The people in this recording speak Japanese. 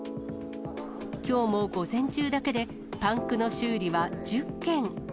きょうも午前中だけで、パンクの修理は１０件。